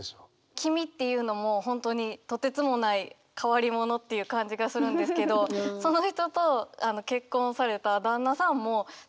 「君」っていうのも本当にとてつもない変わり者っていう感じがするんですけどその人と結婚された旦那さんもいいコンビなんじゃないかなと思って。